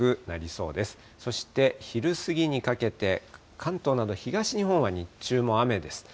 そして昼過ぎにかけて、関東など東日本は日中も雨です。